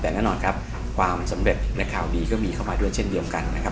แต่แน่นอนครับความสำเร็จในข่าวดีก็มีเข้ามาด้วยเช่นเดียวกันนะครับ